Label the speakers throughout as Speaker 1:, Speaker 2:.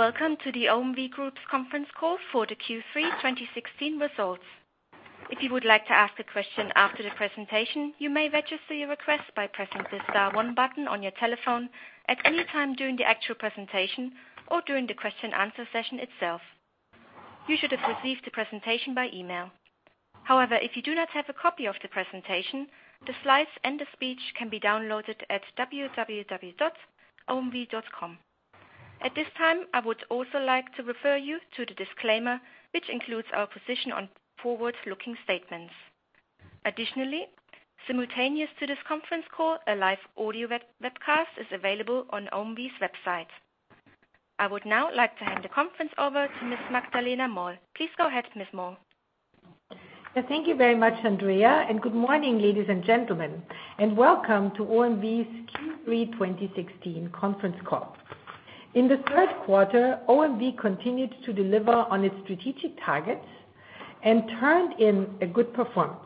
Speaker 1: Welcome to the OMV Group's conference call for the Q3 2016 results. If you would like to ask a question after the presentation, you may register your request by pressing the star one button on your telephone at any time during the actual presentation or during the question and answer session itself. You should have received the presentation by email. If you do not have a copy of the presentation, the slides and the speech can be downloaded at omv.com. At this time, I would also like to refer you to the disclaimer, which includes our position on forward-looking statements. Additionally, simultaneous to this conference call, a live audio webcast is available on OMV's website. I would now like to hand the conference over to Ms. Magdalena Moll. Please go ahead, Ms. Moll.
Speaker 2: Thank you very much, Andrea. Good morning, ladies and gentlemen, and welcome to OMV's Q3 2016 conference call. In the third quarter, OMV continued to deliver on its strategic targets and turned in a good performance.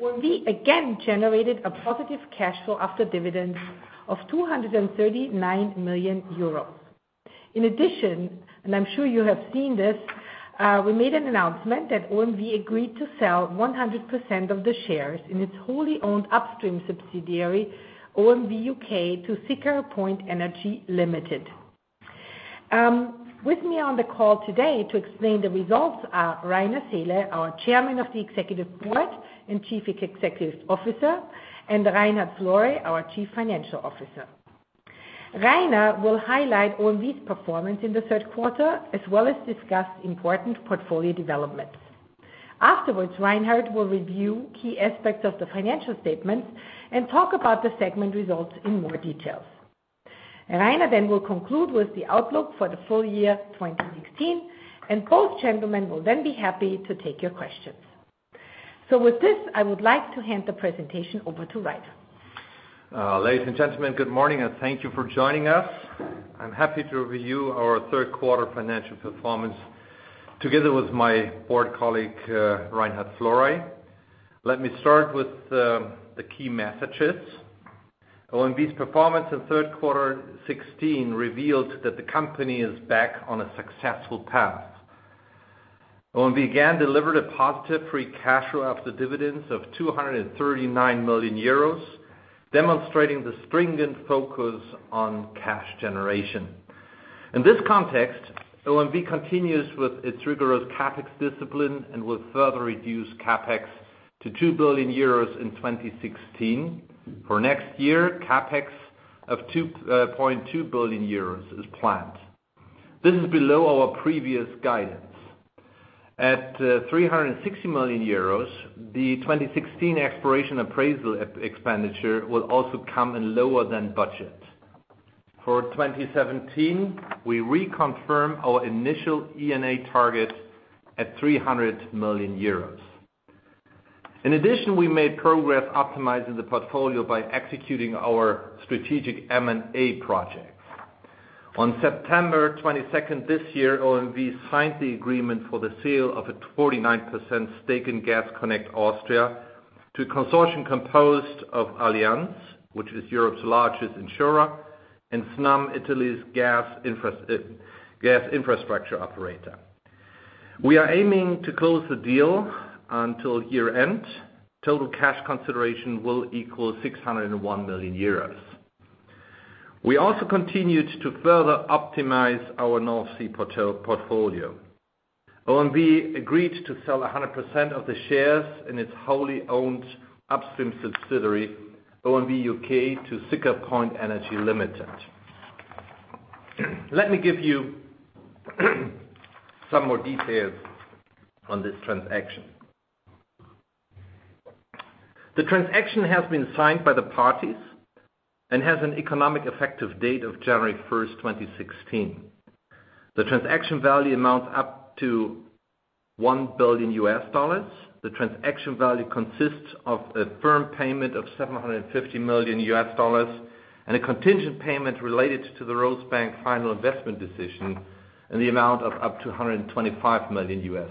Speaker 2: OMV again generated a positive cash flow after dividends of 239 million euros. In addition, and I'm sure you have seen this, we made an announcement that OMV agreed to sell 100% of the shares in its wholly-owned upstream subsidiary, OMV U.K., to Siccar Point Energy Limited. With me on the call today to explain the results are Rainer Seele, our Chairman of the Executive Board and Chief Executive Officer, and Reinhard Florey, our Chief Financial Officer. Rainer will highlight OMV's performance in the third quarter, as well as discuss important portfolio developments. Afterwards, Reinhard will review key aspects of the financial statements and talk about the segment results in more details. Rainer will conclude with the outlook for the full year 2016, and both gentlemen will then be happy to take your questions. With this, I would like to hand the presentation over to Rainer.
Speaker 3: Ladies and gentlemen, good morning, and thank you for joining us. I'm happy to review our third quarter financial performance together with my board colleague, Reinhard Florey. Let me start with the key messages. OMV's performance in third quarter 2016 revealed that the company is back on a successful path. OMV again delivered a positive free cash flow after dividends of 239 million euros, demonstrating the stringent focus on cash generation. In this context, OMV continues with its rigorous CapEx discipline and will further reduce CapEx to 2 billion euros in 2016. For next year, CapEx of 2.2 billion euros is planned. This is below our previous guidance. At 360 million euros, the 2016 exploration appraisal expenditure will also come in lower than budget. For 2017, we reconfirm our initial E&A target at 300 million euros. In addition, we made progress optimizing the portfolio by executing our strategic M&A projects. On September 22nd this year, OMV signed the agreement for the sale of a 49% stake in Gas Connect Austria to a consortium composed of Allianz, which is Europe's largest insurer, and Snam, Italy's gas infrastructure operator. We are aiming to close the deal until year-end. Total cash consideration will equal 601 million euros. We also continued to further optimize our North Sea portfolio. OMV agreed to sell 100% of the shares in its wholly-owned upstream subsidiary, OMV U.K., to Siccar Point Energy Limited. Let me give you some more details on this transaction. The transaction has been signed by the parties and has an economic effective date of January 1st, 2016. The transaction value amounts up to $1 billion. The transaction value consists of a firm payment of $750 million and a contingent payment related to the Rosebank final investment decision in the amount of up to $125 million.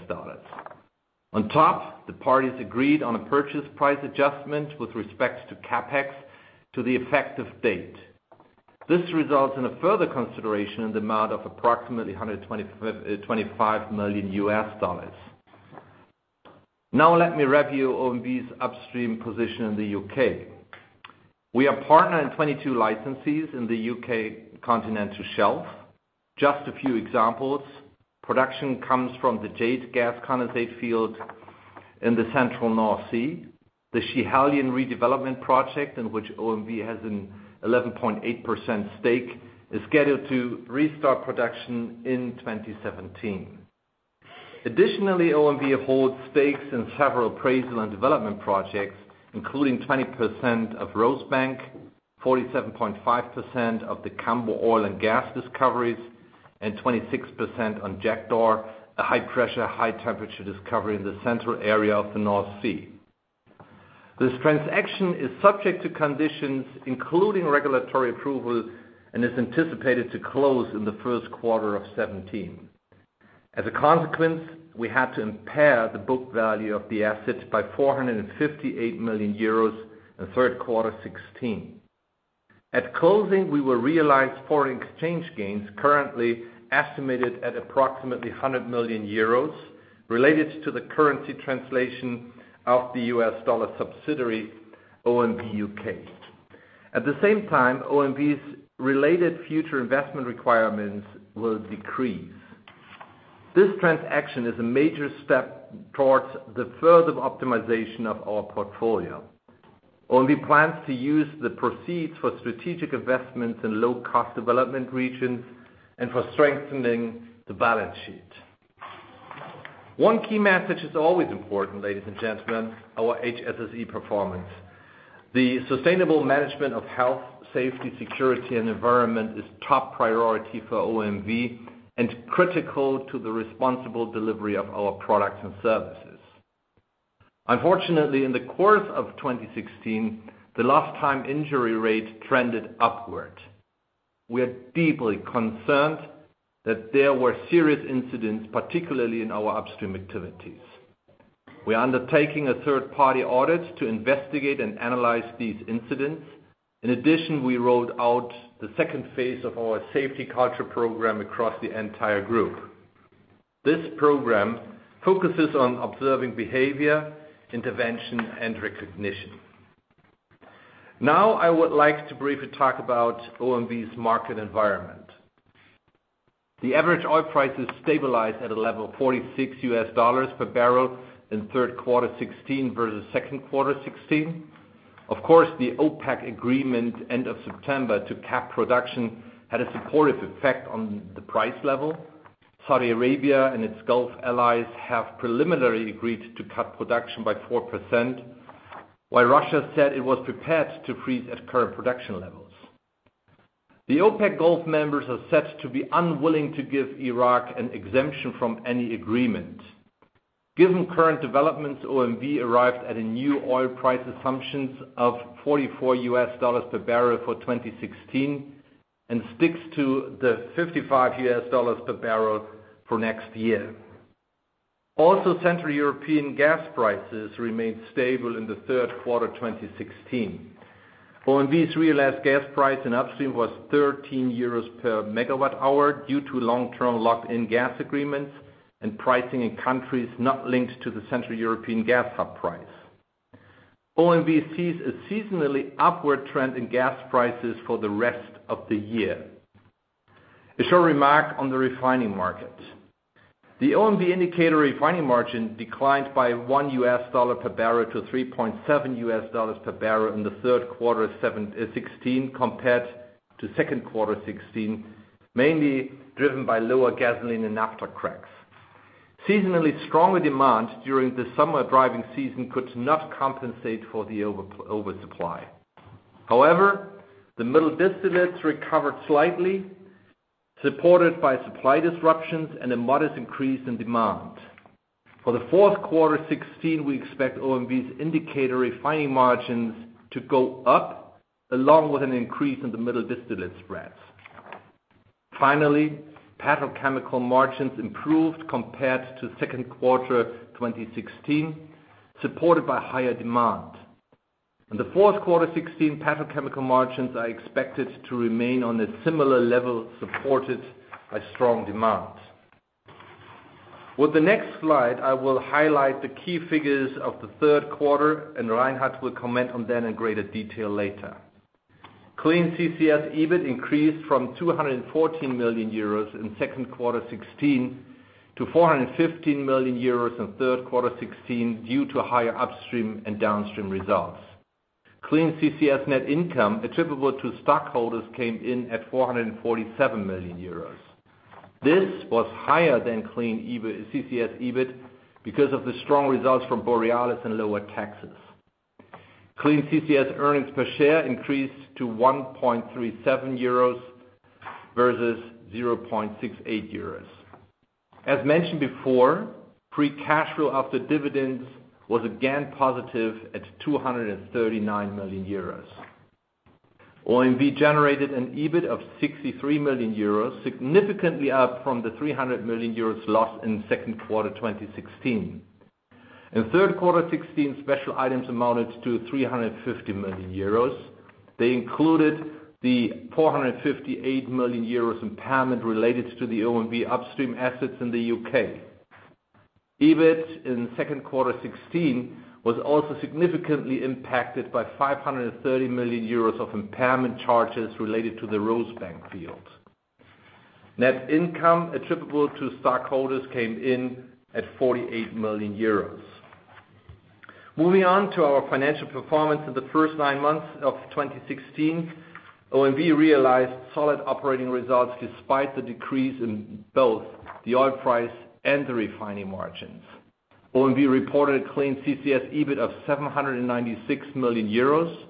Speaker 3: On top, the parties agreed on a purchase price adjustment with respect to CapEx to the effective date. This results in a further consideration in the amount of approximately $125 million. Let me review OMV's upstream position in the U.K. We are partner in 22 licensees in the U.K. Continental Shelf. Just a few examples. Production comes from the Jade gas condensate field in the central North Sea. The Schiehallion redevelopment project, in which OMV has an 11.8% stake, is scheduled to restart production in 2017. Additionally, OMV holds stakes in several appraisal and development projects, including 20% of Rosebank, 47.5% of the Cambo oil and gas discoveries, and 26% on Jackdaw, a high-pressure, high-temperature discovery in the central area of the North Sea. This transaction is subject to conditions including regulatory approval and is anticipated to close in the first quarter of 2017. As a consequence, we had to impair the book value of the assets by 458 million euros in the third quarter 2016. At closing, we will realize foreign exchange gains currently estimated at approximately 100 million euros, related to the currency translation of the US dollar subsidiary, OMV U.K. At the same time, OMV's related future investment requirements will decrease. This transaction is a major step towards the further optimization of our portfolio. OMV plans to use the proceeds for strategic investments in low-cost development regions and for strengthening the balance sheet. One key message that's always important, ladies and gentlemen, our HSSE performance. The sustainable management of health, safety, security, and environment is top priority for OMV and critical to the responsible delivery of our products and services. Unfortunately, in the course of 2016, the lost time injury rate trended upward. We are deeply concerned that there were serious incidents, particularly in our upstream activities. We are undertaking a third-party audit to investigate and analyze these incidents. In addition, we rolled out the second phase of our safety culture program across the entire group. This program focuses on observing behavior, intervention, and recognition. I would like to briefly talk about OMV's market environment. The average oil price is stabilized at a level of $46 per barrel in third quarter 2016 versus second quarter 2016. Of course, the OPEC agreement end of September to cap production had a supportive effect on the price level. Saudi Arabia and its Gulf allies have preliminarily agreed to cut production by 4%, while Russia said it was prepared to freeze at current production levels. The OPEC Gulf members are said to be unwilling to give Iraq an exemption from any agreement. Given current developments, OMV arrived at a new oil price assumption of $44 per barrel for 2016, and sticks to the $55 per barrel for next year. Central European gas prices remained stable in the third quarter 2016. OMV's realized gas price in Upstream was 13 euros per megawatt hour due to long-term locked-in gas agreements and pricing in countries not linked to the Central European gas hub price. OMV sees a seasonally upward trend in gas prices for the rest of the year. A short remark on the refining market. The OMV indicator refining margin declined by $1 per barrel to $3.7 per barrel in the third quarter 2016 compared to second quarter 2016, mainly driven by lower gasoline and naphtha cracks. Seasonally stronger demand during the summer driving season could not compensate for the oversupply. However, the middle distillates recovered slightly, supported by supply disruptions and a modest increase in demand. For the fourth quarter 2016, we expect OMV's indicator refining margins to go up, along with an increase in the middle distillate spreads. Finally, petrochemical margins improved compared to second quarter 2016, supported by higher demand. In the fourth quarter 2016, petrochemical margins are expected to remain on a similar level, supported by strong demand. With the next slide, I will highlight the key figures of the third quarter, and Reinhard will comment on that in greater detail later. Clean CCS EBIT increased from 214 million euros in second quarter 2016 to 415 million euros in third quarter 2016, due to higher Upstream and Downstream results. Clean CCS net income attributable to stockholders came in at 447 million euros. This was higher than Clean CCS EBIT because of the strong results from Borealis and lower taxes. Clean CCS earnings per share increased to 1.37 euros versus 0.68 euros. As mentioned before, free cash flow after dividends was again positive at 239 million euros. OMV generated an EBIT of 63 million euros, significantly up from the 300 million euros lost in the second quarter 2016. In third quarter 2016, special items amounted to 350 million euros. They included the 458 million euros impairment related to the OMV Upstream assets in the U.K. EBIT in the second quarter 2016 was also significantly impacted by 530 million euros of impairment charges related to the Rosebank field. Net income attributable to stockholders came in at 48 million euros. Moving on to our financial performance in the first nine months 2016, OMV realized solid operating results despite the decrease in both the oil price and the refining margins. OMV reported a Clean CCS EBIT of 796 million euros,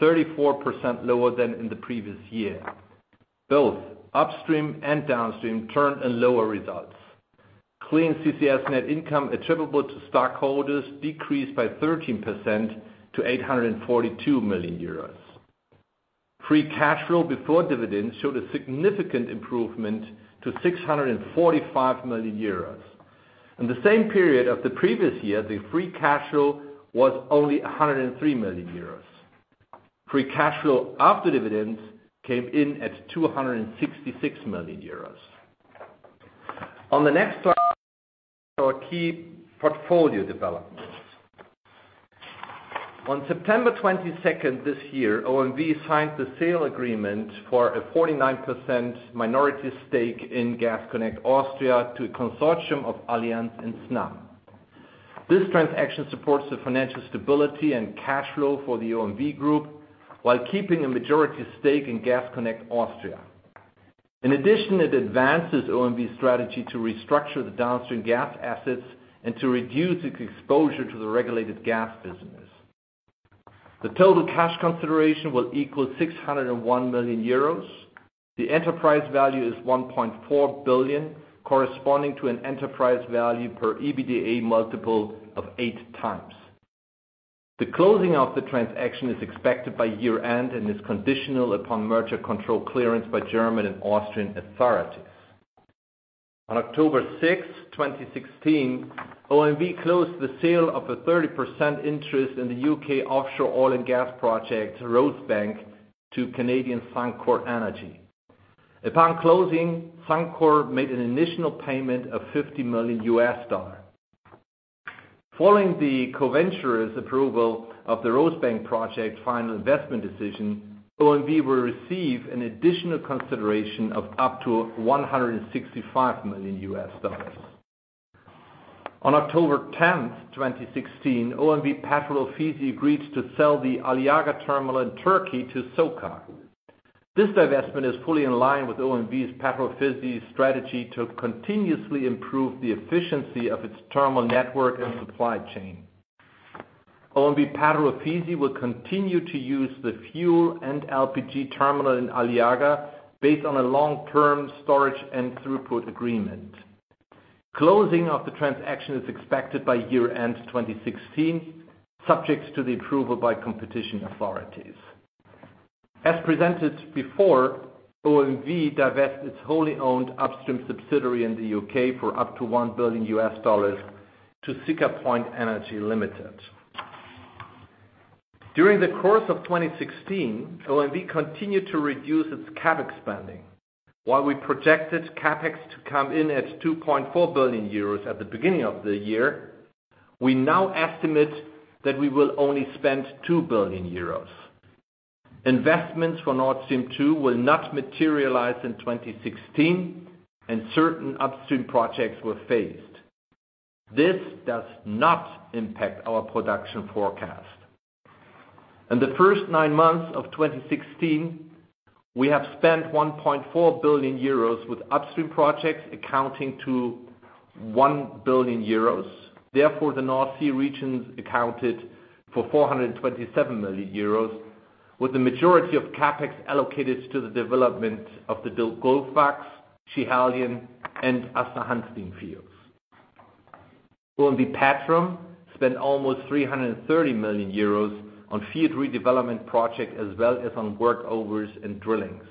Speaker 3: 34% lower than in the previous year. Both Upstream and Downstream turned in lower results. Clean CCS net income attributable to stockholders decreased by 13% to 842 million euros. Free cash flow before dividends showed a significant improvement to 645 million euros. In the same period of the previous year, the free cash flow was only 103 million euros. Free cash flow after dividends came in at 266 million euros. On the next slide our key portfolio developments. On September 22nd this year, OMV signed the sale agreement for a 49% minority stake in Gas Connect Austria to a consortium of Allianz and Snam. This transaction supports the financial stability and cash flow for the OMV Group while keeping a majority stake in Gas Connect Austria. In addition, it advances OMV strategy to restructure the downstream gas assets and to reduce its exposure to the regulated gas business. The total cash consideration will equal 601 million euros. The enterprise value is 1.4 billion, corresponding to an enterprise value per EBITDA multiple of eight times. The closing of the transaction is expected by year-end and is conditional upon merger control clearance by German and Austrian authorities. On October 6th, 2016, OMV closed the sale of a 30% interest in the U.K. offshore oil and gas project, Rosebank, to Canadian Suncor Energy. Upon closing, Suncor made an initial payment of $50 million. Following the co-venturers approval of the Rosebank project FID, OMV will receive an additional consideration of up to $165 million. On October 10th, 2016, OMV Petrol Ofisi agreed to sell the Aliaga terminal in Turkey to SOCAR. This divestment is fully in line with OMV's Petrol Ofisi strategy to continuously improve the efficiency of its terminal network and supply chain. OMV Petrol Ofisi will continue to use the fuel and LPG terminal in Aliaga based on a long-term storage and throughput agreement. Closing of the transaction is expected by year-end 2016, subject to the approval by competition authorities. As presented before, OMV divested its wholly owned upstream subsidiary in the U.K. for up to $1 billion to Siccar Point Energy Limited. During the course of 2016, OMV continued to reduce its CapEx spending. While we projected CapEx to come in at 2.4 billion euros at the beginning of the year, we now estimate that we will only spend 2 billion euros. Investments for Nord Stream 2 will not materialize in 2016, and certain upstream projects were phased. This does not impact our production forecast. In the first nine months of 2016, we have spent 1.4 billion euros with upstream projects accounting to 1 billion euros. The North Sea regions accounted for 427 million euros, with the majority of CapEx allocated to the development of the Gullfaks, Schiehallion, and Aasta Hansteen fields. OMV Petrom spent almost 330 million euros on field redevelopment project as well as on workovers and drillings.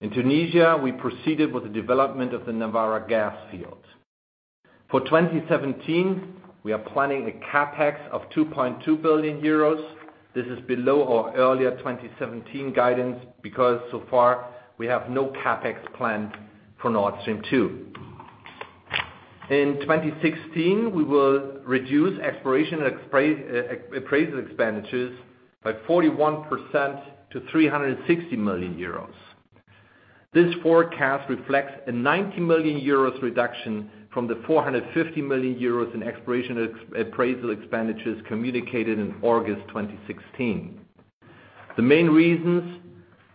Speaker 3: In Tunisia, we proceeded with the development of the Nawara gas field. For 2017, we are planning a CapEx of 2.2 billion euros. This is below our earlier 2017 guidance because so far we have no CapEx planned for Nord Stream 2. In 2016, we will reduce exploration appraisal expenditures by 41% to 360 million euros. This forecast reflects a 90 million euros reduction from the 450 million euros in exploration appraisal expenditures communicated in August 2016. The main reasons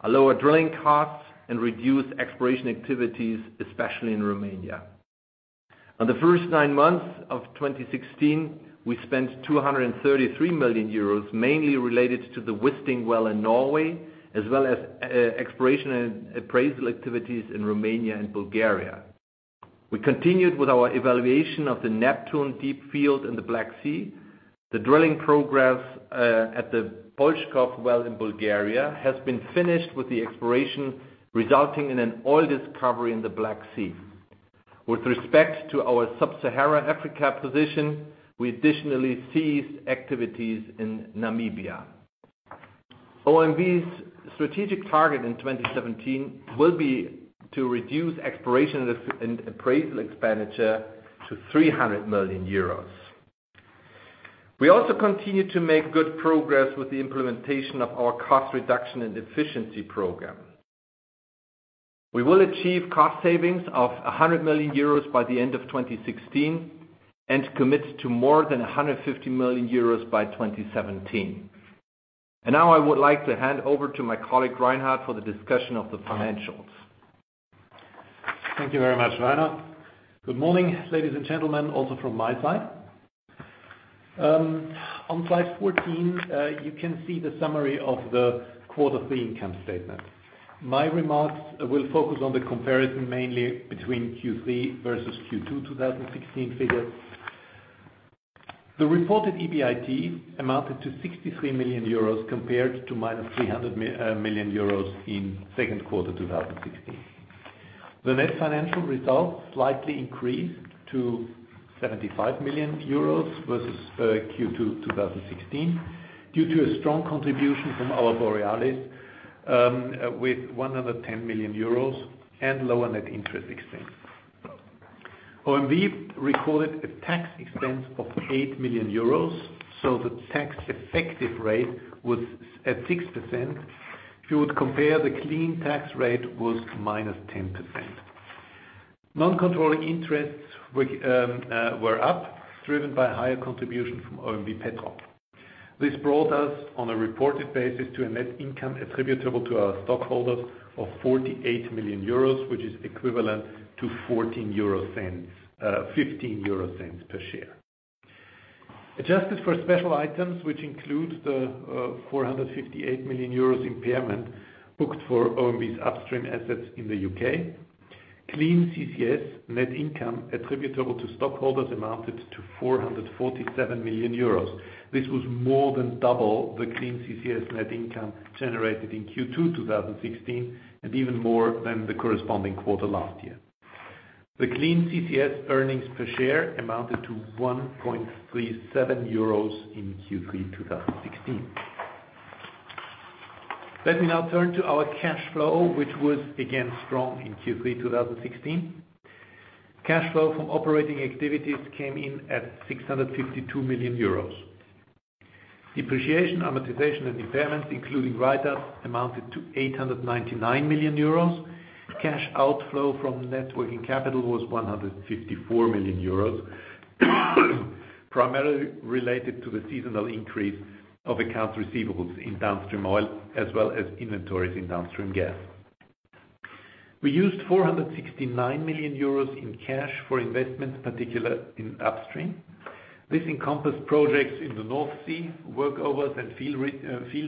Speaker 3: are lower drilling costs and reduced exploration activities, especially in Romania. On the first nine months of 2016, we spent 233 million euros, mainly related to the Wisting well in Norway, as well as exploration and appraisal activities in Romania and Bulgaria. We continued with our evaluation of the Neptun Deep field in the Black Sea. The drilling progress at the Polshkov well in Bulgaria has been finished with the exploration resulting in an oil discovery in the Black Sea. With respect to our Sub-Sahara Africa position, we additionally ceased activities in Namibia. OMV's strategic target in 2017 will be to reduce exploration and appraisal expenditure to 300 million euros. We also continue to make good progress with the implementation of our cost reduction and efficiency program. We will achieve cost savings of 100 million euros by the end of 2016 and commit to more than 150 million euros by 2017. Now I would like to hand over to my colleague, Reinhard, for the discussion of the financials.
Speaker 4: Thank you very much, Rainer. Good morning, ladies and gentlemen, also from my side. On slide 14, you can see the summary of the quarter three income statement. My remarks will focus on the comparison mainly between Q3 versus Q2 2016 figures. The reported EBIT amounted to 63 million euros compared to minus 300 million euros in second quarter 2016. The net financial results slightly increased to 75 million euros versus Q2 2016 due to a strong contribution from our Borealis, with 110 million euros and lower net interest expense. OMV recorded a tax expense of 8 million euros, so the tax-effective rate was at 6%. If you would compare, the clean tax rate was -10%. Non-controlling interests were up, driven by higher contribution from OMV Petrom. This brought us, on a reported basis, to a net income attributable to our stockholders of 48 million euros, which is equivalent to 0.15 per share. Adjusted for special items, which include the 458 million euros impairment booked for OMV's upstream assets in the U.K., clean CCS net income attributable to stockholders amounted to 447 million euros. This was more than double the clean CCS net income generated in Q2 2016 and even more than the corresponding quarter last year. The clean CCS earnings per share amounted to 1.37 euros in Q3 2016. Let me now turn to our cash flow, which was again strong in Q3 2016. Cash flow from operating activities came in at 652 million euros. Depreciation, amortization, and impairments, including write-ups, amounted to 899 million euros. Cash outflow from net working capital was 154 million euros, primarily related to the seasonal increase of accounts receivables in downstream oil as well as inventories in downstream gas. We used 469 million euros in cash for investments, particularly in upstream. This encompassed projects in the North Sea, workovers and field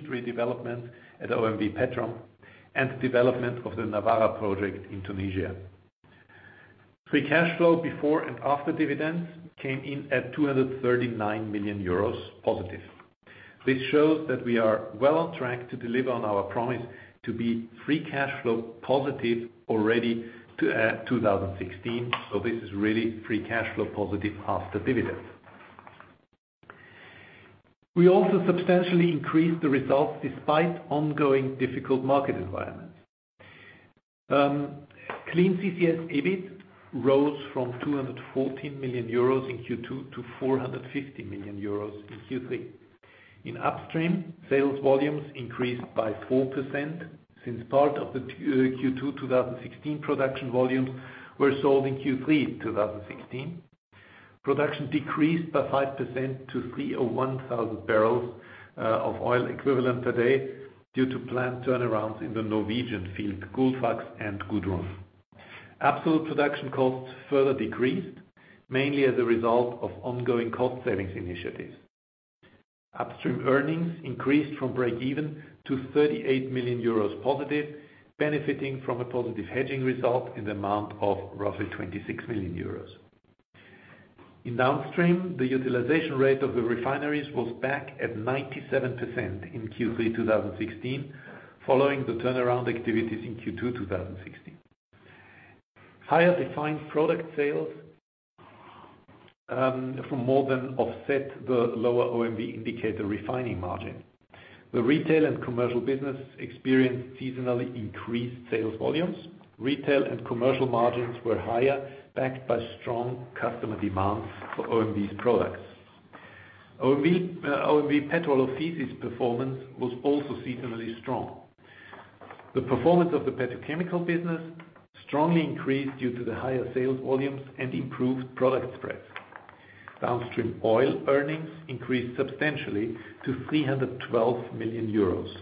Speaker 4: redevelopments at OMV Petrom, and development of the Nawara project in Tunisia. Free cash flow before and after dividends came in at 239 million euros positive. This shows that we are well on track to deliver on our promise to be free cash flow positive already at 2016. So this is really free cash flow positive after dividends. We also substantially increased the results despite ongoing difficult market environments. Clean CCS EBIT rose from 214 million euros in Q2 to 450 million euros in Q3. In upstream, sales volumes increased by 4% since part of the Q2 2016 production volumes were sold in Q3 2016. Production decreased by 5% to 301,000 barrels of oil equivalent per day due to planned turnarounds in the Norwegian field, Gullfaks and Gudrun. Absolute production costs further decreased, mainly as a result of ongoing cost savings initiatives. Upstream earnings increased from breakeven to 38 million euros positive, benefiting from a positive hedging result in the amount of roughly 26 million euros. In downstream, the utilization rate of the refineries was back at 97% in Q3 2016, following the turnaround activities in Q2 2016. Higher defined product sales more than offset the lower OMV indicator refining margin. The retail and commercial business experienced seasonally increased sales volumes. Retail and commercial margins were higher, backed by strong customer demands for OMV's products. OMV Petrom's performance was also seasonally strong. The performance of the petrochemical business strongly increased due to the higher sales volumes and improved product spreads. Downstream oil earnings increased substantially to 312 million euros.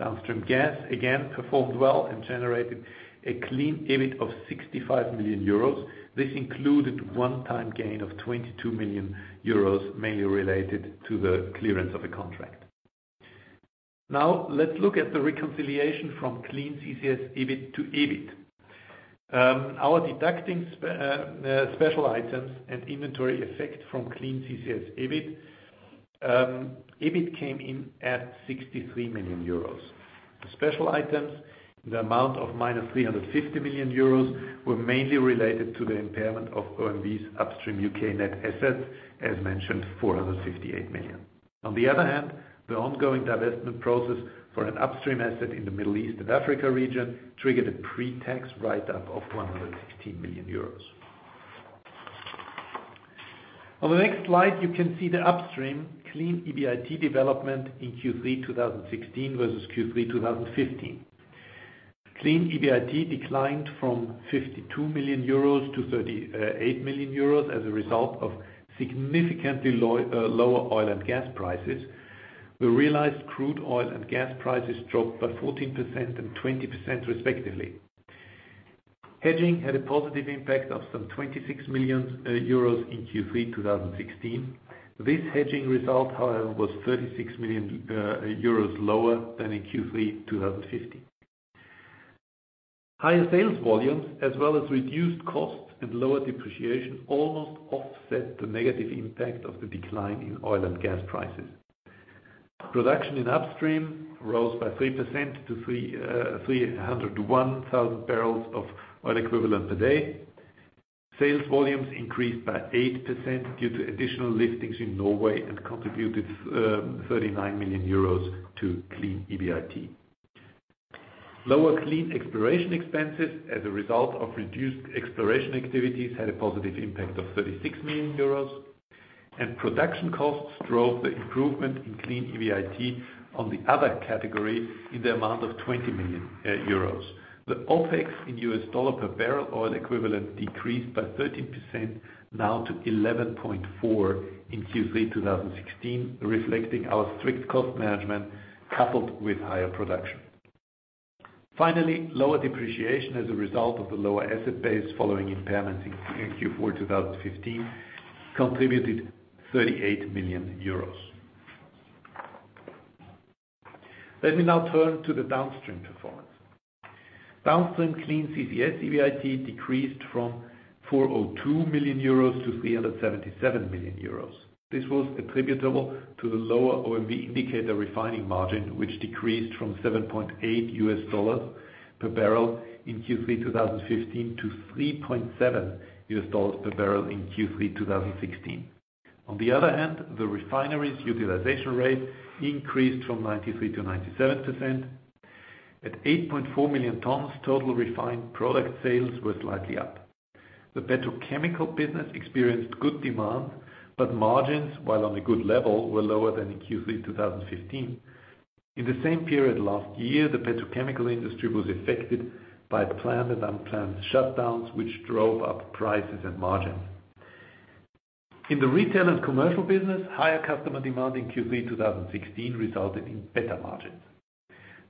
Speaker 4: Downstream gas, again, performed well and generated a Clean CCS EBIT of 65 million euros. This included a one-time gain of 22 million euros, mainly related to the clearance of a contract. Let's look at the reconciliation from Clean CCS EBIT to EBIT. After deducting special items and inventory effect from Clean CCS EBIT came in at 63 million euros. The special items in the amount of minus 350 million euros were mainly related to the impairment of OMV's upstream U.K. net assets, as mentioned, 458 million. The ongoing divestment process for an upstream asset in the Middle East and Africa region triggered a pretax write-up of 116 million euros. The next slide, you can see the upstream Clean CCS EBIT development in Q3 2016 versus Q3 2015. Clean CCS EBIT declined from 52 million euros to 38 million euros as a result of significantly lower oil and gas prices. The realized crude oil and gas prices dropped by 14% and 20% respectively. Hedging had a positive impact of some 26 million euros in Q3 2016. This hedging result, however, was 36 million euros lower than in Q3 2015. Higher sales volumes, as well as reduced costs and lower depreciation almost offset the negative impact of the decline in oil and gas prices. Production in upstream rose by 3% to 301,000 barrels of oil equivalent per day. Sales volumes increased by 8% due to additional listings in Norway and contributed 39 million euros to Clean CCS EBIT. Lower clean exploration expenses as a result of reduced exploration activities had a positive impact of 36 million euros. Production costs drove the improvement in Clean CCS EBIT on the other category in the amount of 20 million euros. The OpEx in US dollar per barrel oil equivalent decreased by 13% now to $11.4 in Q3 2016, reflecting our strict cost management coupled with higher production. Lower depreciation as a result of the lower asset base following impairment in Q4 2015 contributed EUR 38 million. Let me now turn to the downstream performance. Downstream Clean CCS EBIT decreased from 402 million euros to 377 million euros. This was attributable to the lower OMV indicator refining margin, which decreased from $7.8 per barrel in Q3 2015 to $3.7 per barrel in Q3 2016. The refinery's utilization rate increased from 93% to 97%. At 8.4 million tons, total refined product sales were slightly up. The petrochemical business experienced good demand, but margins, while on a good level, were lower than in Q3 2015. In the same period last year, the petrochemical industry was affected by planned and unplanned shutdowns, which drove up prices and margins. In the retail and commercial business, higher customer demand in Q3 2016 resulted in better margins.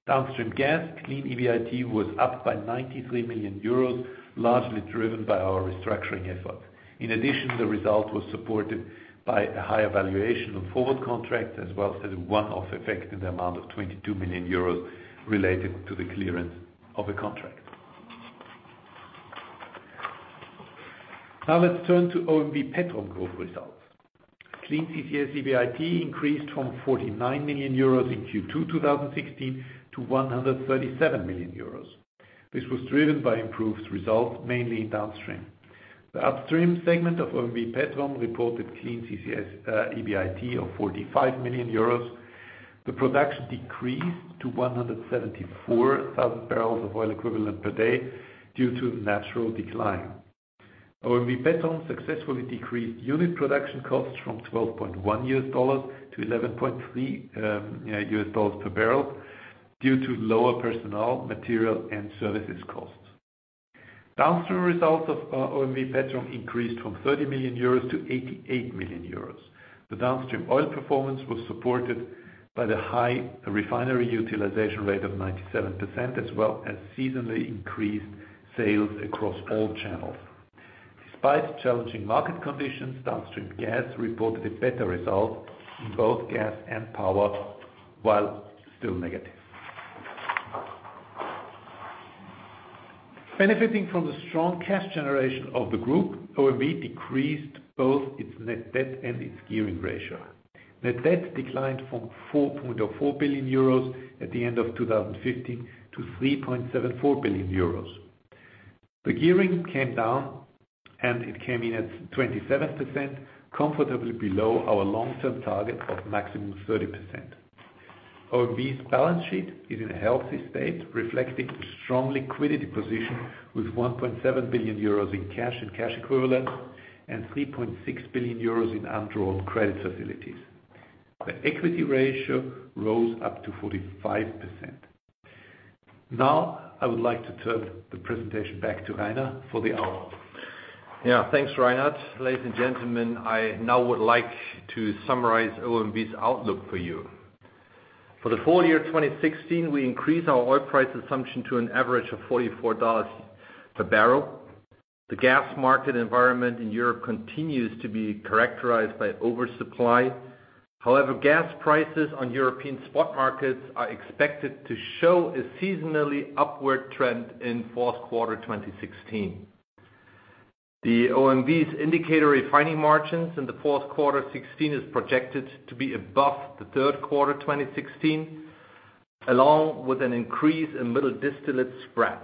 Speaker 4: Downstream gas clean EBIT was up by 93 million euros, largely driven by our restructuring efforts. In addition, the result was supported by a higher valuation on forward contracts as well as a one-off effect in the amount of 22 million euros related to the clearance of a contract. Let's turn to OMV Petrom Group results. Clean CCS EBIT increased from 49 million euros in Q2 2016 to 137 million euros. This was driven by improved results mainly in downstream. The upstream segment of OMV Petrom reported Clean CCS EBIT of 45 million euros. The production decreased to 174,000 barrels of oil equivalent per day due to natural decline. OMV Petrom successfully decreased unit production costs from $12.1 to $11.3 per barrel due to lower personnel, material, and services costs. Downstream results of OMV Petrom increased from 30 million euros to 88 million euros. The downstream oil performance was supported by the high refinery utilization rate of 97%, as well as seasonally increased sales across all channels. Despite challenging market conditions, downstream gas reported a better result in both gas and power, while still negative. Benefiting from the strong cash generation of the group, OMV decreased both its net debt and its gearing ratio. Net debt declined from 4.04 billion euros at the end of 2015 to 3.74 billion euros. The gearing came down, it came in at 27%, comfortably below our long-term target of maximum 30%. OMV's balance sheet is in a healthy state, reflecting a strong liquidity position with 1.7 billion euros in cash and cash equivalents and 3.6 billion euros in undrawn credit facilities. The equity ratio rose up to 45%. I would like to turn the presentation back to Rainer for the outlook.
Speaker 3: Thanks, Reinhard. Ladies and gentlemen, I now would like to summarize OMV's outlook for you. For the full year 2016, we increased our oil price assumption to an average of $44 per barrel. The gas market environment in Europe continues to be characterized by oversupply. Gas prices on European spot markets are expected to show a seasonally upward trend in fourth quarter 2016. OMV's indicator refining margins in the fourth quarter 2016 is projected to be above the third quarter 2016, along with an increase in middle distillate spreads.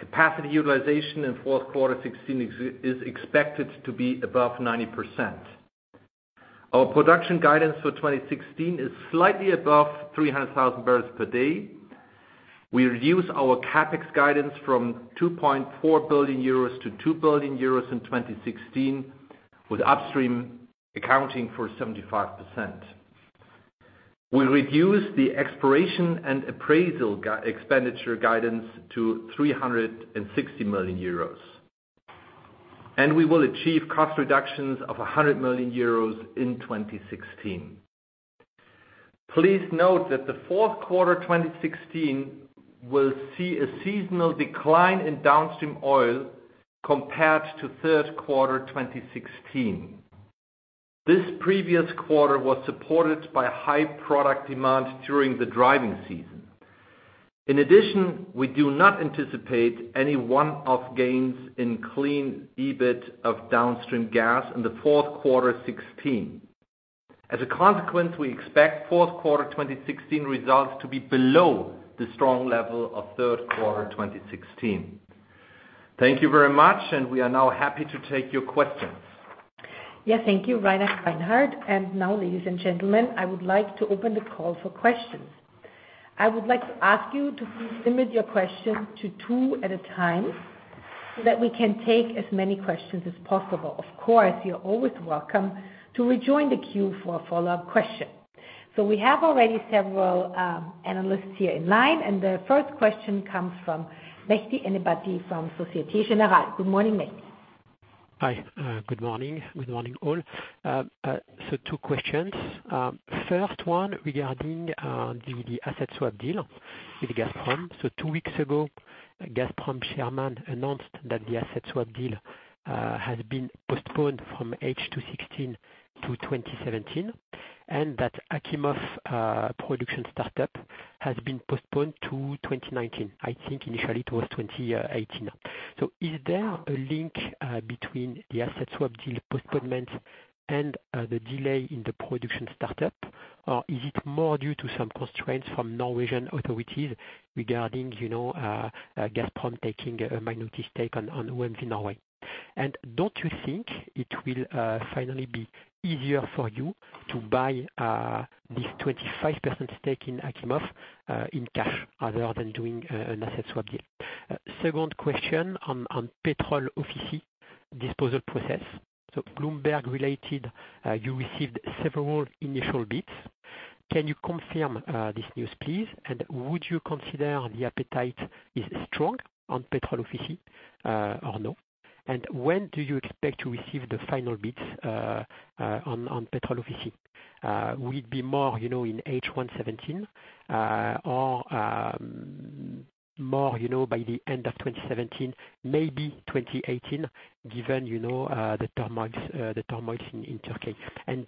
Speaker 3: Capacity utilization in fourth quarter 2016 is expected to be above 90%. Our production guidance for 2016 is slightly above 300,000 barrels per day. We reduce our CapEx guidance from 2.4 billion euros to 2 billion euros in 2016, with upstream accounting for 75%. We reduce the exploration and appraisal expenditure guidance to 360 million euros. We will achieve cost reductions of 100 million euros in 2016. Please note that the fourth quarter 2016 will see a seasonal decline in downstream oil compared to third quarter 2016. This previous quarter was supported by high product demand during the driving season. We do not anticipate any one-off gains in Clean EBIT of downstream gas in the fourth quarter 2016. We expect fourth quarter 2016 results to be below the strong level of third quarter 2016. Thank you very much. We are now happy to take your questions.
Speaker 2: Yes, thank you, Rainer Seele. Now, ladies and gentlemen, I would like to open the call for questions. I would like to ask you to please limit your questions to two at a time so that we can take as many questions as possible. Of course, you are always welcome to rejoin the queue for a follow-up question. We have already several analysts here in line. The first question comes from Mehdi Ennebati from Société Générale. Good morning, Mehdi.
Speaker 5: Hi, good morning. Good morning, all. Two questions. First one regarding the asset swap deal with Gazprom. Two weeks ago, Gazprom chairman announced that the asset swap deal has been postponed from H2 2016 to 2017, and that Achimov production startup has been postponed to 2019. I think initially it was 2018. Is there a link between the asset swap deal postponement and the delay in the production startup? Is it more due to some constraints from Norwegian authorities regarding Gazprom taking a minority stake on OMV Norway? Don't you think it will finally be easier for you to buy this 25% stake in Achimov in cash rather than doing an asset swap deal? Second question on Petrol Ofisi disposal process. Bloomberg related you received several initial bids. Can you confirm this news, please? Would you consider the appetite is strong on Petrol Ofisi or no? When do you expect to receive the final bids on Petrol Ofisi? Will it be more in H1 2017 or more by the end of 2017, maybe 2018, given the turmoils in Turkey?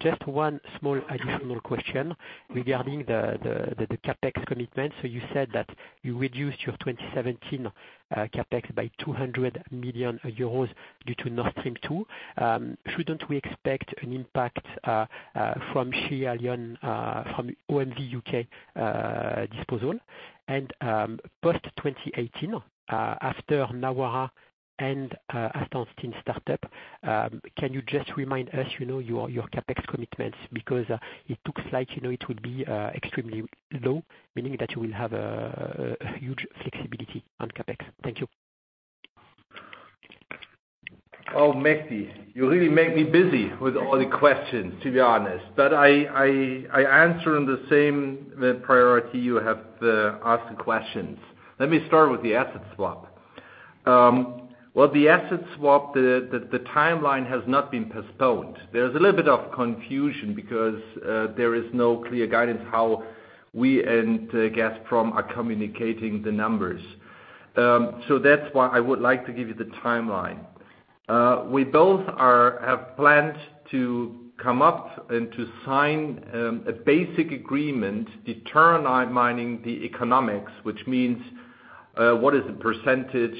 Speaker 5: Just one small additional question regarding the CapEx commitment. You said that you reduced your 2017 CapEx by 200 million euros due to Nord Stream 2. Shouldn't we expect an impact from the sale, from OMV U.K. disposal? Post-2018, after Nawara and Aasta Hansteen startup, can you just remind us your CapEx commitments because it looks like it will be extremely low, meaning that you will have a huge flexibility on CapEx. Thank you.
Speaker 3: Oh, Mehdi, you really make me busy with all the questions, to be honest. I answer in the same priority you have asked the questions. Let me start with the asset swap. With the asset swap, the timeline has not been postponed. There's a little bit of confusion because there is no clear guidance how we and Gazprom are communicating the numbers. That's why I would like to give you the timeline. We both have planned to come up and to sign a basic agreement determining the economics, which means what is the percentage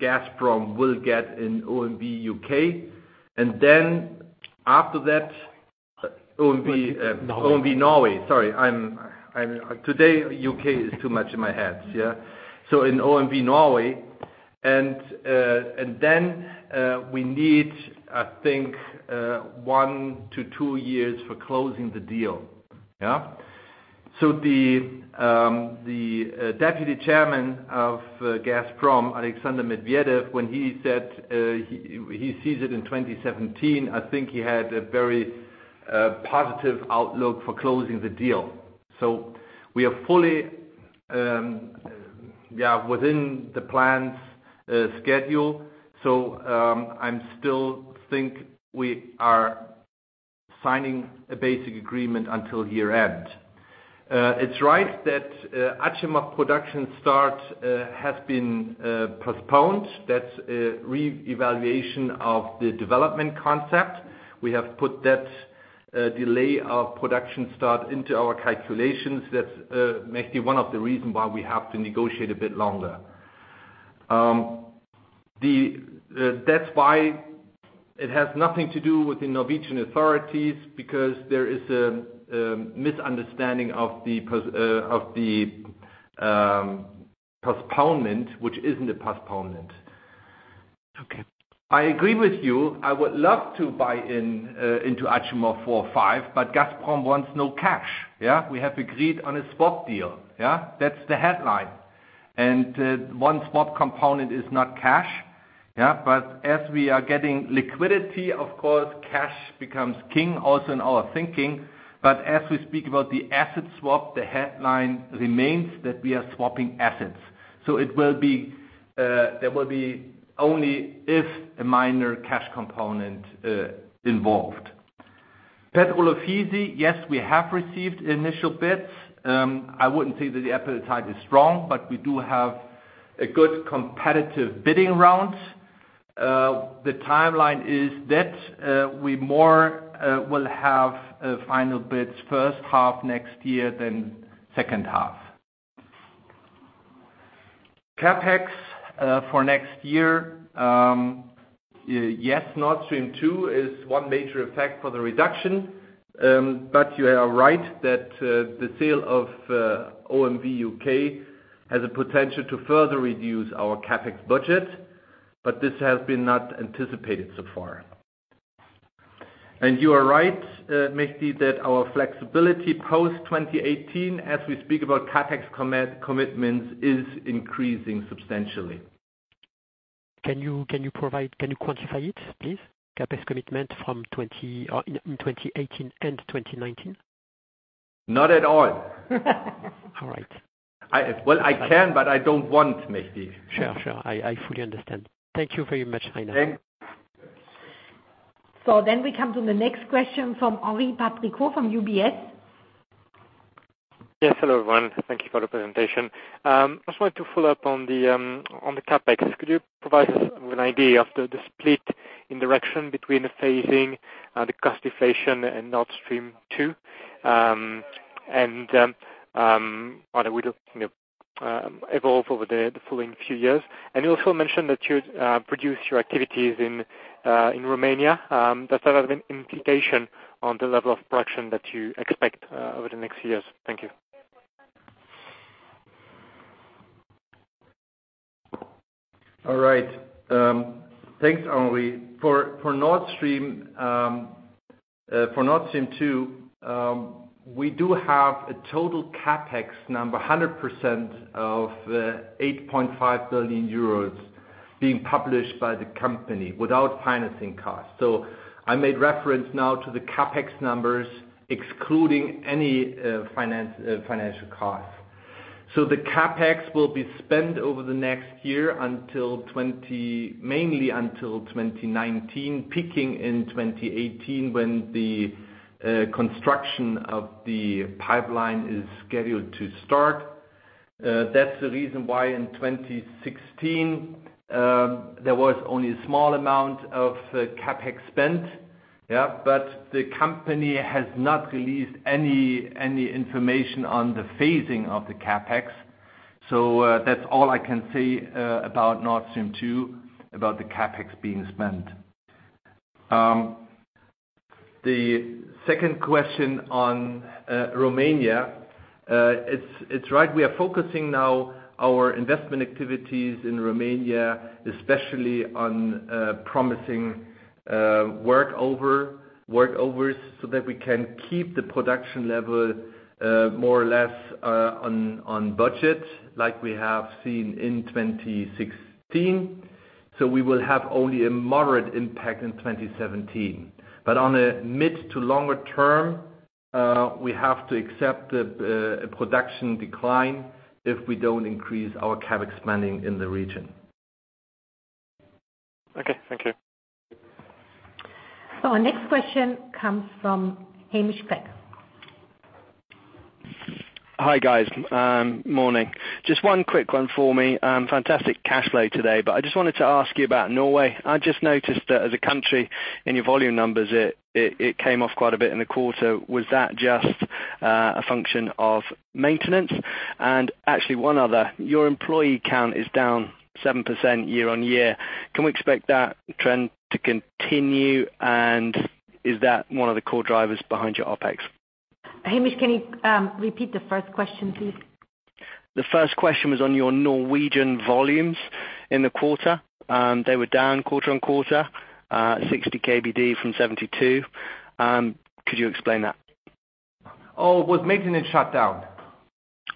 Speaker 3: Gazprom will get in OMV U.K., and then after that-
Speaker 5: OMV Norway.
Speaker 3: OMV Norway. Sorry, today U.K. is too much in my head. In OMV Norway. Then we need, I think one to two years for closing the deal. The Deputy Chairman of Gazprom, Alexander Medvedev, when he said he sees it in 2017, I think he had a very positive outlook for closing the deal. We are fully within the planned schedule. I still think we are signing a basic agreement until year-end. It's right that Achimov production start has been postponed. That's a reevaluation of the development concept. We have put that delay of production start into our calculations. That's maybe one of the reason why we have to negotiate a bit longer. That's why it has nothing to do with the Norwegian authorities, because there is a misunderstanding of the postponement, which isn't a postponement.
Speaker 5: Okay.
Speaker 3: I agree with you. I would love to buy into Achimov four or five, Gazprom wants no cash. We have agreed on a swap deal. That's the headline. One swap component is not cash. As we are getting liquidity, of course, cash becomes king also in our thinking. As we speak about the asset swap, the headline remains that we are swapping assets. There will be only if a minor cash component involved. Petrol Ofisi, yes, we have received initial bids. I wouldn't say that the appetite is strong, but we do have a good competitive bidding round. The timeline is that we more will have final bids first half next year than second half. CapEx for next year. Yes, Nord Stream 2 is one major effect for the reduction. You are right that the sale of OMV U.K. has a potential to further reduce our CapEx budget, but this has been not anticipated so far. You are right, Mehdi, that our flexibility post-2018 as we speak about CapEx commitments, is increasing substantially.
Speaker 5: Can you quantify it, please? CapEx commitment in 2018 and 2019.
Speaker 3: Not at all.
Speaker 5: All right.
Speaker 3: Well, I can, but I don't want, Mehdi.
Speaker 5: Sure. I fully understand. Thank you very much, Rainer.
Speaker 3: Thank you.
Speaker 2: We come to the next question from Henri Patricot from UBS.
Speaker 6: Yes, hello everyone. Thank you for the presentation. I just wanted to follow up on the CapEx. Could you provide us with an idea of the split in direction between the phasing, the cost inflation and Nord Stream 2? How that will evolve over the following few years. You also mentioned that you would produce your activities in Romania. Does that have an implication on the level of production that you expect over the next years? Thank you.
Speaker 3: All right. Thanks, Henri. For Nord Stream 2, we do have a total CapEx number, 100% of 8.5 billion euros being published by the company without financing costs. I made reference now to the CapEx numbers excluding any financial costs. The CapEx will be spent over the next year mainly until 2019, peaking in 2018, when the construction of the pipeline is scheduled to start. That's the reason why in 2016, there was only a small amount of CapEx spent. The company has not released any information on the phasing of the CapEx. That's all I can say about Nord Stream 2, about the CapEx being spent. The second question on Romania. It's right, we are focusing now our investment activities in Romania, especially on promising workovers, so that we can keep the production level more or less on budget, like we have seen in 2016. We will have only a moderate impact in 2017. On a mid to longer term, we have to accept a production decline if we don't increase our CapEx spending in the region.
Speaker 6: Okay. Thank you.
Speaker 2: Our next question comes from Hamish Peck.
Speaker 7: Hi, guys. Morning. Just one quick one for me. Fantastic cash flow today, but I just wanted to ask you about Norway. I just noticed that as a country, in your volume numbers, it came off quite a bit in the quarter. Was that just a function of maintenance? Actually, one other. Your employee count is down 7% year-on-year. Can we expect that trend to continue, and is that one of the core drivers behind your OpEx?
Speaker 2: Hamish, can you repeat the first question, please?
Speaker 7: The first question was on your Norwegian volumes in the quarter. They were down quarter-on-quarter, 60 kbd from 72. Could you explain that?
Speaker 3: Oh, it was maintenance shutdown.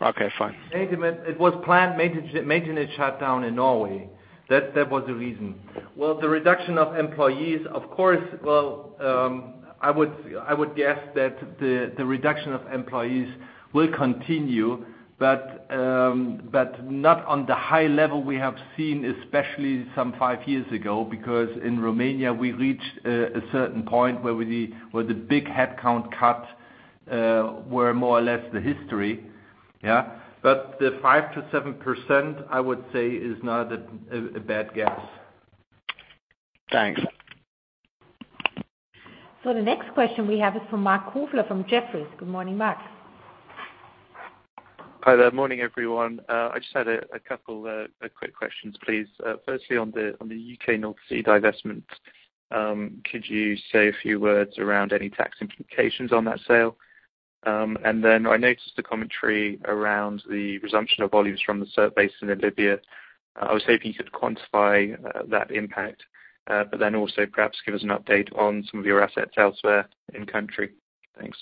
Speaker 7: Okay, fine.
Speaker 3: It was planned maintenance shutdown in Norway. That was the reason. Well, the reduction of employees, of course. I would guess that the reduction of employees will continue, but not on the high level we have seen, especially some five years ago. Because in Romania we reached a certain point where the big headcount cuts were more or less the history. But the 5%-7%, I would say is not a bad guess.
Speaker 7: Thanks.
Speaker 2: The next question we have is from Marc Kofler from Jefferies. Good morning, Marc.
Speaker 8: Hi there. Morning, everyone. I just had a couple quick questions, please. Firstly, on the U.K. North Sea divestment, could you say a few words around any tax implications on that sale? I noticed a commentary around the resumption of volumes from the Sirte Basin in Libya. I was hoping you could quantify that impact. Also perhaps give us an update on some of your assets elsewhere in country. Thanks.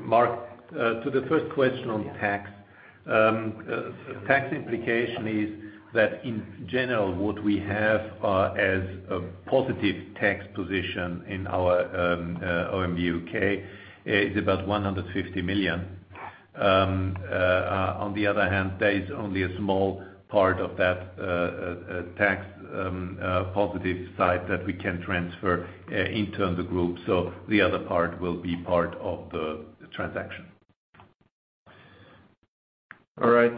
Speaker 3: Marc, to the first question on tax. Tax implication is that in general what we have as a positive tax position in our OMV U.K. is about EUR 150 million. There is only a small part of that tax positive side that we can transfer internal the group. The other part will be part of the transaction. All right.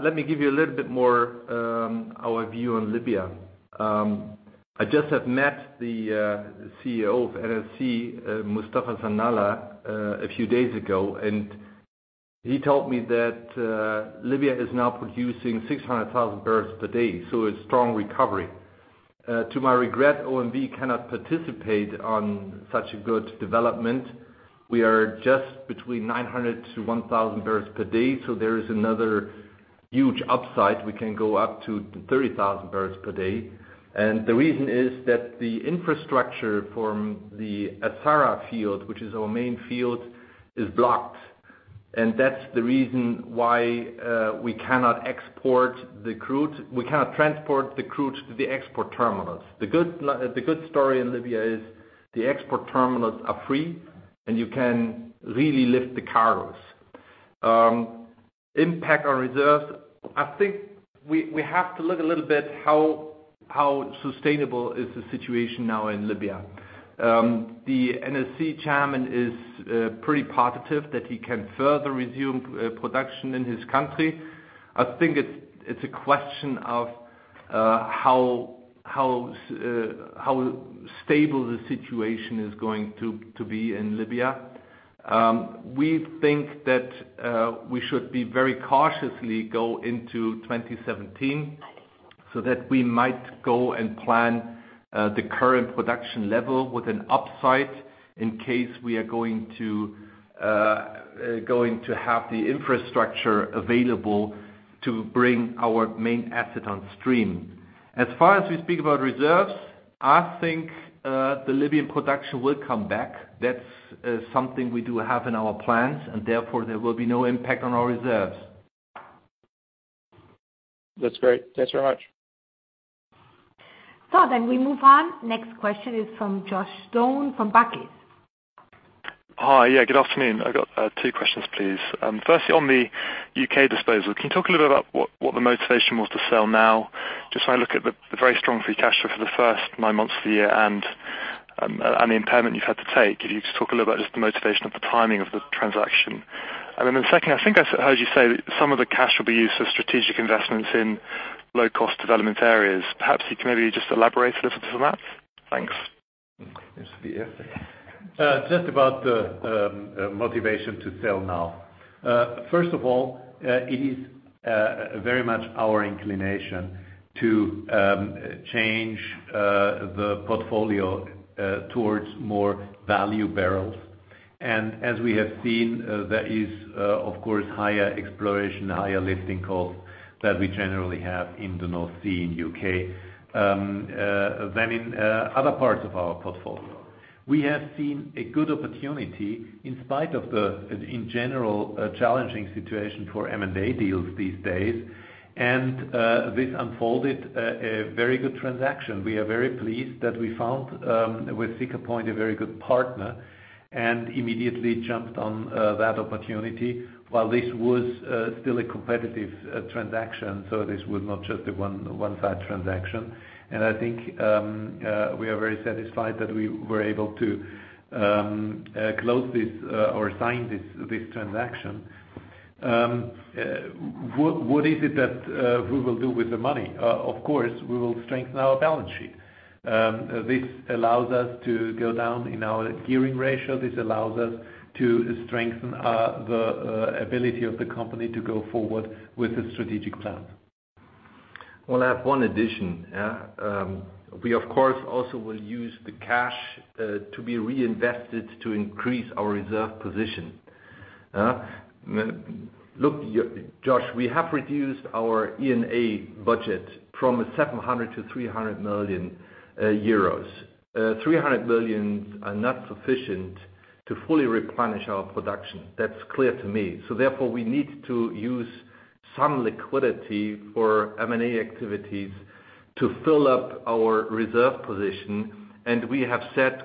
Speaker 3: Let me give you a little bit more our view on Libya. I just have met the CEO of NOC, Mustafa Sanalla, a few days ago. He told me that Libya is now producing 600,000 barrels per day, a strong recovery. To my regret, OMV cannot participate on such a good development. We are just between 900 to 1,000 barrels per day. There is another huge upside. We can go up to 30,000 barrels per day. The reason is that the infrastructure from the Sharara field, which is our main field, is blocked. That's the reason why we cannot transport the crude to the export terminals. The good story in Libya is the export terminals are free, and you can really lift the cargoes. Impact on reserves. I think we have to look a little bit how sustainable is the situation now in Libya. The NOC chairman is pretty positive that he can further resume production in his country. I think it's a question of how stable the situation is going to be in Libya. We think that we should very cautiously go into 2017. We might go and plan the current production level with an upside in case we are going to have the infrastructure available to bring our main asset on stream. As far as we speak about reserves, I think the Libyan production will come back. That's something we do have in our plans. There will be no impact on our reserves.
Speaker 8: That's great. Thanks very much.
Speaker 2: We move on. Next question is from Josh Stone from Barclays.
Speaker 9: Hi. Yeah, good afternoon. I got two questions, please. Firstly, on the U.K. disposal, can you talk a little bit about what the motivation was to sell now, just when I look at the very strong free cash flow for the first nine months of the year and the impairment you've had to take. Could you just talk a little about just the motivation of the timing of the transaction? Secondly, I think I heard you say that some of the cash will be used for strategic investments in low-cost development areas. Perhaps you can maybe just elaborate a little bit on that? Thanks.
Speaker 3: Yes, we hear.
Speaker 4: Just about the motivation to sell now. First of all, it is very much our inclination to change the portfolio towards more value barrels. As we have seen, there is of course, higher exploration, higher lifting costs that we generally have in the North Sea in U.K. than in other parts of our portfolio. We have seen a good opportunity in spite of the, in general, challenging situation for M&A deals these days. This unfolded a very good transaction. We are very pleased that we found, with Siccar Point, a very good partner and immediately jumped on that opportunity, while this was still a competitive transaction. This was not just a one-side transaction. I think we are very satisfied that we were able to close this or sign this transaction. What is it that we will do with the money? Of course, we will strengthen our balance sheet. This allows us to go down in our gearing ratio. This allows us to strengthen the ability of the company to go forward with the strategic plan.
Speaker 3: Well, I have one addition. We, of course, also will use the cash to be reinvested to increase our reserve position. Look, Josh, we have reduced our E&A budget from 700 to 300 million euros. 300 million are not sufficient to fully replenish our production. That's clear to me. Therefore, we need to use some liquidity for M&A activities to fill up our reserve position. We have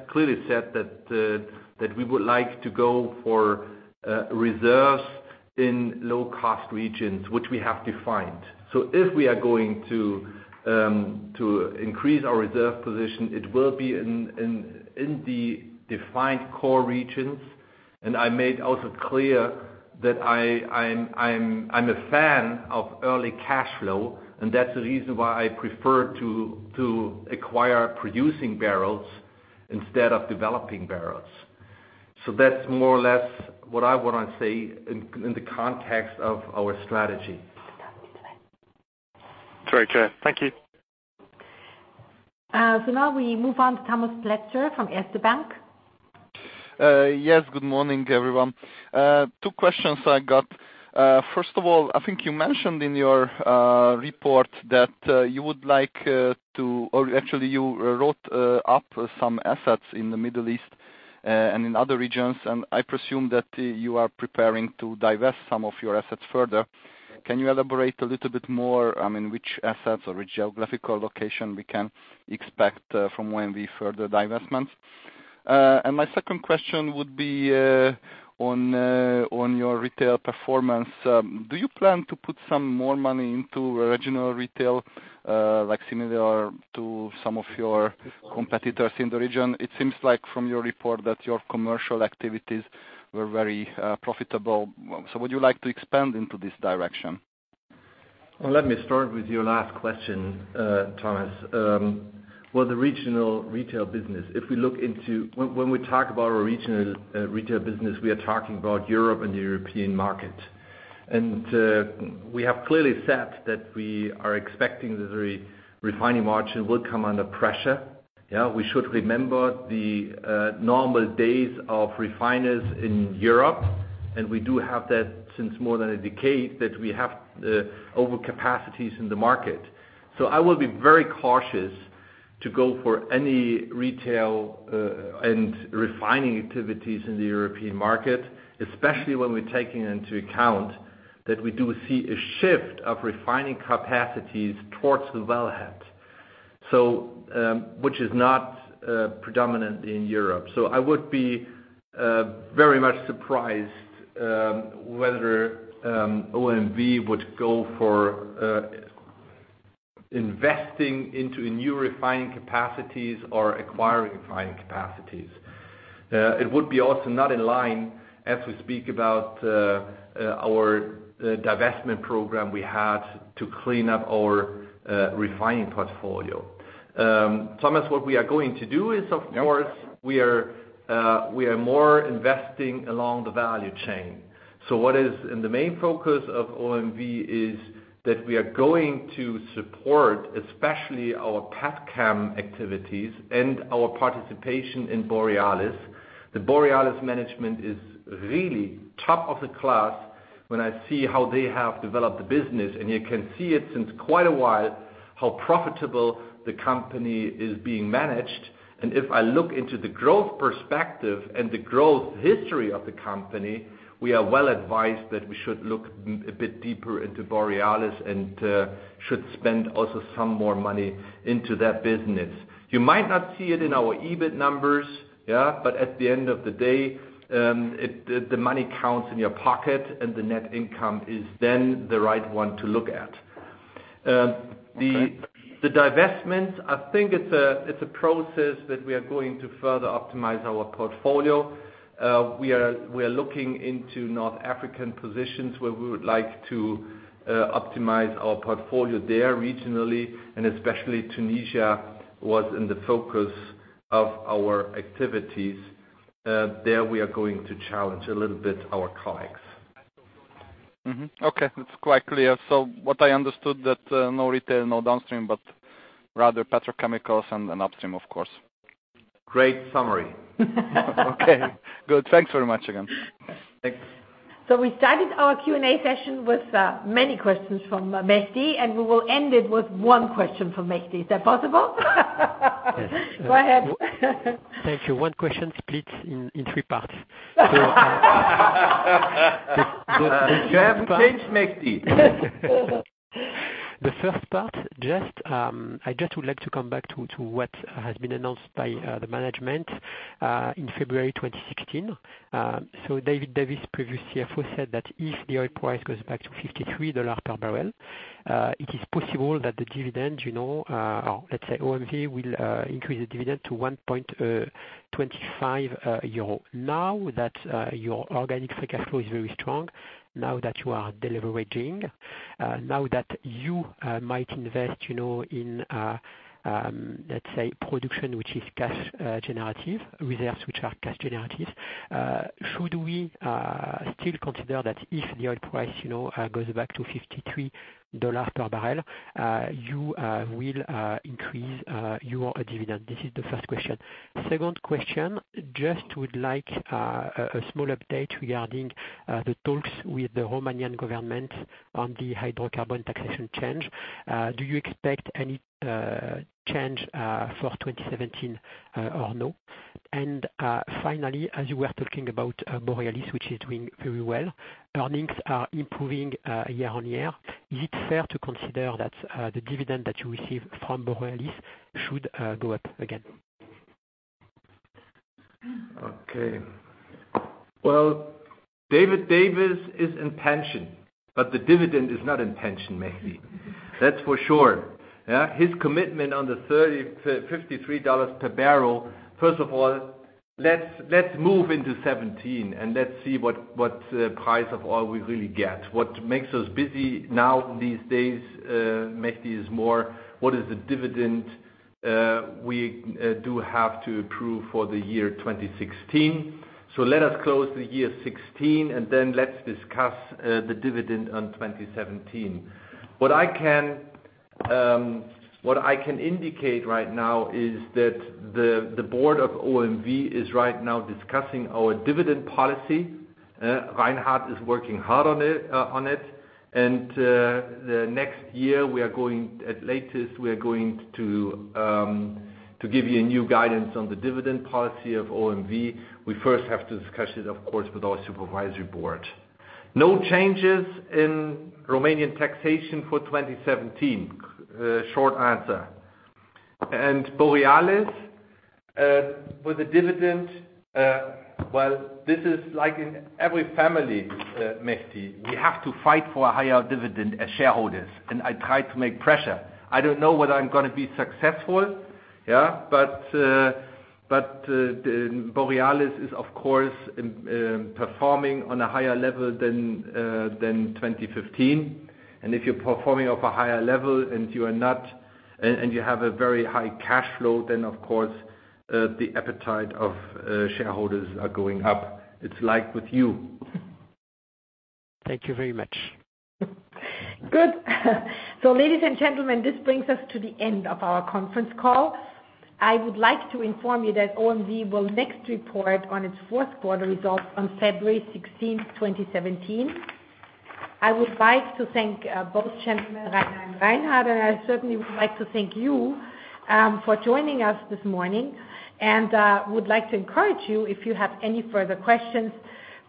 Speaker 3: clearly said that we would like to go for reserves in low-cost regions, which we have defined. If we are going to increase our reserve position, it will be in the defined core regions. I made also clear that I'm a fan of early cash flow, and that's the reason why I prefer to acquire producing barrels instead of developing barrels. That's more or less what I want to say in the context of our strategy.
Speaker 9: Great. Yeah. Thank you.
Speaker 2: Now we move on to Tamas Pletser from Erste Bank.
Speaker 10: Yes. Good morning, everyone. Two questions I got. First of all, I think you mentioned in your report that you would like to, or actually you wrote up some assets in the Middle East and in other regions, and I presume that you are preparing to divest some of your assets further. Can you elaborate a little bit more, I mean, which assets or which geographical location we can expect from OMV further divestments? My second question would be on your retail performance. Do you plan to put some more money into regional retail like similar to some of your competitors in the region? It seems like from your report that your commercial activities were very profitable. Would you like to expand into this direction?
Speaker 3: Well, let me start with your last question, Thomas. Well, the regional retail business, when we talk about our regional retail business, we are talking about Europe and the European market. We have clearly said that we are expecting the refining margin will come under pressure. We should remember the normal days of refiners in Europe, and we do have that since more than a decade, that we have over capacities in the market. I will be very cautious to go for any retail and refining activities in the European market, especially when we're taking into account that we do see a shift of refining capacities towards the wellhead, which is not predominant in Europe. I would be very much surprised whether OMV would go for investing into a new refining capacities or acquiring refining capacities. It would be also not in line as we speak about our divestment program we had to clean up our refining portfolio. Tamas, what we are going to do is, of course, we are more investing along the value chain. What is in the main focus of OMV is that we are going to support especially our petchem activities and our participation in Borealis. The Borealis management is really top of the class when I see how they have developed the business, and you can see it since quite a while, how profitable the company is being managed. If I look into the growth perspective and the growth history of the company, we are well advised that we should look a bit deeper into Borealis and should spend also some more money into that business. You might not see it in our EBIT numbers. At the end of the day, the money counts in your pocket and the net income is then the right one to look at. The divestment, I think it's a process that we are going to further optimize our portfolio. We are looking into North African positions where we would like to optimize our portfolio there regionally, and especially Tunisia was in the focus of our activities. There we are going to challenge a little bit our colleagues.
Speaker 10: Okay. That's quite clear. What I understood that no retail, no downstream, but rather petrochemicals and an upstream, of course.
Speaker 3: Great summary.
Speaker 10: Okay, good. Thanks very much again.
Speaker 3: Thanks.
Speaker 2: We started our Q&A session with many questions from Mehdi, and we will end it with one question from Mehdi. Is that possible?
Speaker 5: Yes.
Speaker 2: Go ahead.
Speaker 5: Thank you. One question split in three parts.
Speaker 3: You have changed, Mehdi.
Speaker 5: The first part, I just would like to come back to what has been announced by the management in February 2016. David Davies, previous CFO, said that if the oil price goes back to $53 per barrel, it is possible that the dividend, or let's say OMV will increase the dividend to 1.25 euro. Now that your organic free cash flow is very strong, now that you are deleveraging, now that you might invest in, let's say, production, which is cash generative, reserves which are cash generative, should we still consider that if the oil price goes back to $53 per barrel, you will increase your dividend? This is the first question. Second question, I just would like a small update regarding the talks with the Romanian government on the hydrocarbon taxation change. Do you expect any change for 2017 or no? Finally, as you were talking about Borealis, which is doing very well, earnings are improving year-on-year. Is it fair to consider that the dividend that you receive from Borealis should go up again?
Speaker 3: Okay. David Davies is in pension, but the dividend is not in pension, Mehdi. That's for sure. His commitment on the $53 per barrel, first of all, let's move into 2017, let's see what price of oil we really get. What makes us busy now these days, Mehdi, is more what is the dividend we do have to approve for the year 2016. Let us close the year 2016, let's discuss the dividend on 2017. What I can indicate right now is that the board of OMV is right now discussing our dividend policy. Reinhard is working hard on it, the next year, at latest, we are going to give you a new guidance on the dividend policy of OMV. We first have to discuss it, of course, with our supervisory board. No changes in Romanian taxation for 2017. Short answer. Borealis, with the dividend, this is like in every family, Mehdi. We have to fight for a higher dividend as shareholders, I try to make pressure. I don't know whether I'm going to be successful. Borealis is, of course, performing on a higher level than 2015. If you're performing of a higher level and you have a very high cash flow, of course, the appetite of shareholders are going up. It's like with you.
Speaker 5: Thank you very much.
Speaker 2: Good. Ladies and gentlemen, this brings us to the end of our conference call. I would like to inform you that OMV will next report on its fourth quarter results on February 16th, 2017. I would like to thank both gentlemen, Rainer and Reinhard, and I certainly would like to thank you for joining us this morning. I would like to encourage you if you have any further questions,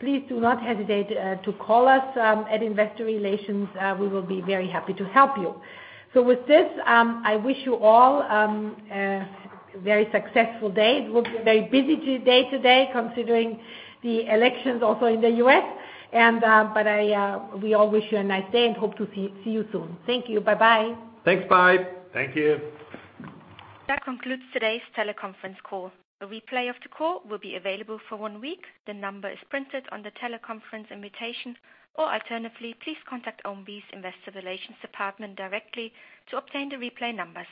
Speaker 2: please do not hesitate to call us at Investor Relations. We will be very happy to help you. With this, I wish you all a very successful day. It will be a very busy day today considering the elections also in the U.S. We all wish you a nice day and hope to see you soon. Thank you. Bye-bye.
Speaker 3: Thanks. Bye.
Speaker 10: Thank you.
Speaker 1: That concludes today's teleconference call. A replay of the call will be available for one week. The number is printed on the teleconference invitation, or alternatively, please contact OMV's Investor Relations department directly to obtain the replay numbers.